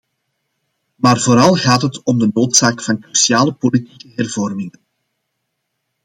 Maar vooral gaat het om de noodzaak van cruciale politieke hervormingen.